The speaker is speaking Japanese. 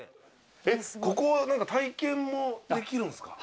ここは体験もできるんすか？